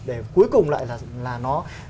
để cuối cùng lại là nó